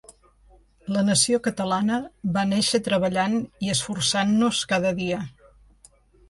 La nació catalana va néixer treballant i esforçant-nos cada dia.